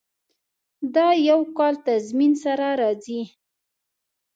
دا د یو کال تضمین سره راځي.